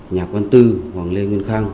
nhạc văn tư hoàng lê nguyên khang